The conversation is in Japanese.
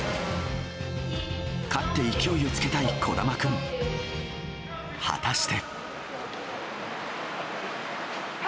勝って勢いをつけたい、児玉君。果たして。